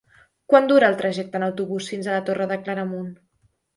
Quant dura el trajecte en autobús fins a la Torre de Claramunt?